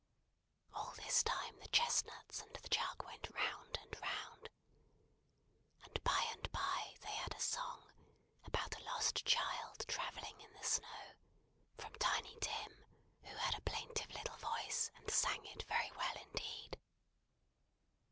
All this time the chestnuts and the jug went round and round; and by and bye they had a song, about a lost child travelling in the snow, from Tiny Tim, who had a plaintive little voice, and sang it very well indeed.